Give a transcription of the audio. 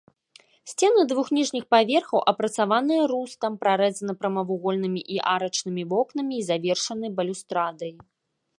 Сцены двух ніжніх паверхаў, апрацаваныя рустам, прарэзаны прамавугольнымі і арачнымі вокнамі і завершаны балюстрадай.